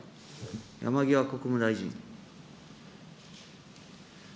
山際国務大臣。